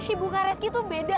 ibu kak reski tuh beda